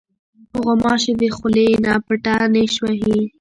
غوماشې د خولې نه پټه نیش وهي.